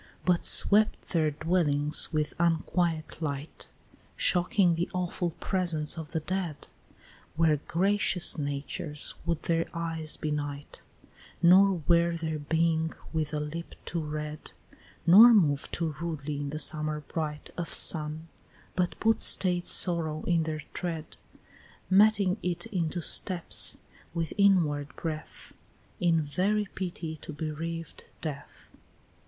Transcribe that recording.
But swept their dwellings with unquiet light, Shocking the awful presence of the dead; Where gracious natures would their eyes benight, Nor wear their being with a lip too red, Nor move too rudely in the summer bright Of sun, but put staid sorrow in their tread, Meting it into steps, with inward breath, In very pity to bereaved death.